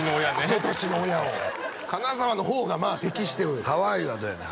この年の親を金沢の方がまあ適してるハワイはどうやねん？